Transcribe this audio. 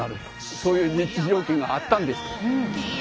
そういう立地条件があったんです。